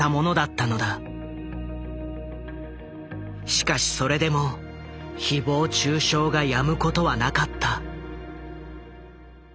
しかしそれでもひぼう中傷がやむことはなかった。